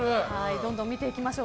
どんどん見ていきましょう。